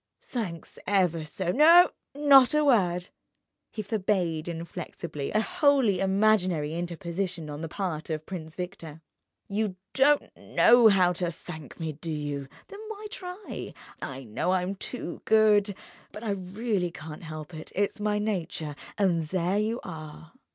"Thanks ever so ... No, not a word!" He forbade inflexibly a wholly imaginary interposition on the part of Prince Victor. "You don't know how to thank me—do you? Then why try? I know I'm too good, but I really can't help it, it's my nature—and there you are!